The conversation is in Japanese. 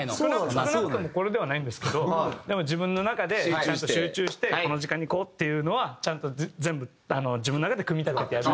少なくともこれではないんですけどでも自分の中でちゃんと集中してこの時間にこうっていうのはちゃんと全部自分の中で組み立ててあるんですけど。